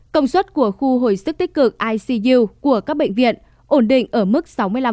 công suất của khu hồi sức tích cực icu của các bệnh viện ổn định ở mức sáu mươi năm